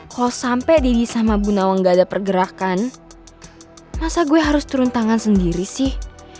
kalau sampe deddy sama bu nawang gak ada pergerakan masa gue harus turun tangan sendiri sih